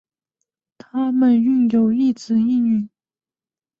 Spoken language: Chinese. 她们育有一子一女。